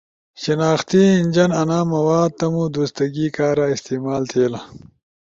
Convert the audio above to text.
شناختی انجن انا مواد تمو درستگی کارا استعمال تھئیلا۔